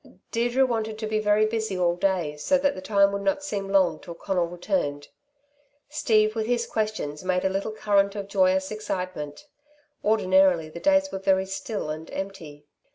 Deirdre wanted to be very busy all day so that the time would not seem long till Conal returned. Steve with his questions made a little current of joyous excitement. Ordinarily the days were very still and empty.